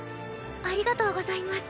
ありがとうございます。